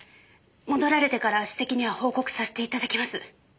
戻られてから首席には報告させて頂きます。